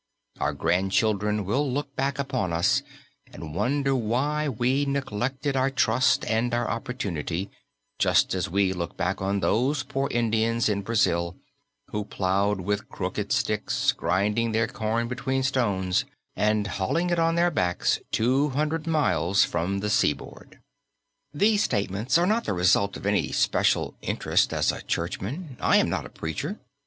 _ Our grandchildren will look back upon us and wonder why we neglected our trust and our opportunity, just as we look back on those poor Indians in Brazil who plowed with crooked sticks, grinding their corn between stones and hauling it on their backs two hundred miles from the seaboard. These statements are not the result of any special interest as a churchman. I am not a preacher.